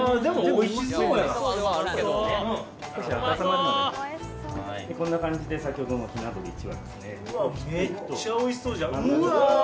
おいしそうやなこんな感じで先ほどのひなどり１羽ですねめっちゃおいしそうじゃんうわ！